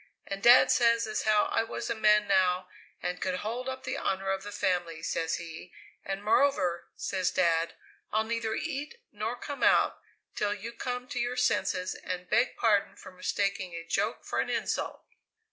And Dad says as how I was a man now and could hold up the honour of the family, says he, and moreover, says Dad, 'I'll neither eat nor come out till you come to your senses and beg pardon for mistaking a joke for an insult!'"